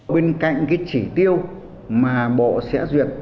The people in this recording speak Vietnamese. bên cạnh cái chỉ tiêu mà bộ sẽ duyệt